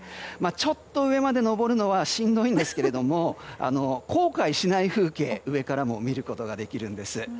ちょっと上まで登るのはしんどいんですけれども後悔しない風景、上からも見ることができるんです。